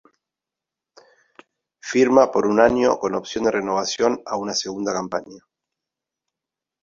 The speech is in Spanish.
Firma por un año con opción de renovación a una segunda campaña.